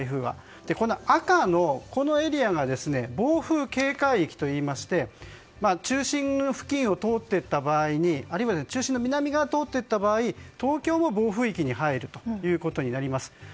この赤のエリアが暴風警戒域といいまして中心付近を通っていった場合あるいは中心の南側を通っていった場合東京も暴風域に入ることになります。